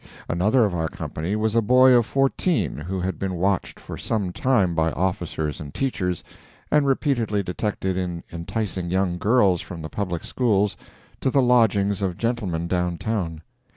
Another of our company was a boy of fourteen who had been watched for some time by officers and teachers, and repeatedly detected in enticing young girls from the public schools to the lodgings of gentlemen down town.